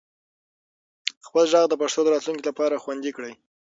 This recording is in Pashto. خپل ږغ د پښتو د راتلونکي لپاره خوندي کړئ.